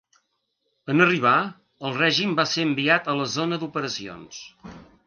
En arribar, el règim va ser enviat a la zona d'operacions.